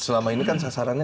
selama ini kan sasarannya